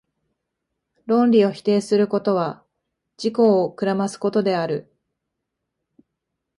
論理を否定することは、自己を暗ますことである。